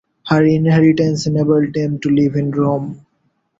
Her inheritance enabled them to live in Rome.